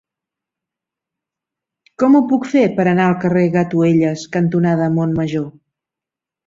Com ho puc fer per anar al carrer Gatuelles cantonada Montmajor?